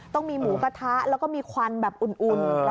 ต้องมีหมูกระทะแล้วก็มีควันแบบอุ่น